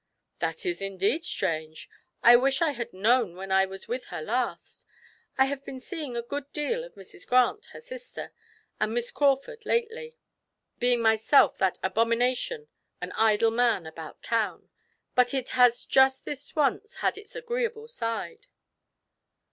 "That is indeed strange! I wish I had known when I was with her last. I have been seeing a good deal of Mrs. Grant, her sister, and Miss Crawford lately, being myself that abomination, an idle man about town, but it has just this once had its agreeable side."